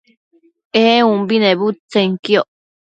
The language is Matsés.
ee umbi nebudtsenquioc